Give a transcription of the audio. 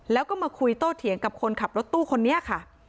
แล้วก็มาคุยโตเถียงกับคนขับรถตู้คนนี้ค่ะ